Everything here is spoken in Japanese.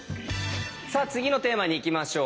さあ次のテーマにいきましょう。